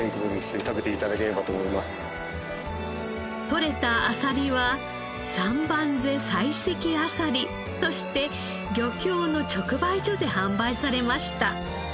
取れたあさりは三番瀬砕石アサリとして漁協の直売所で販売されました。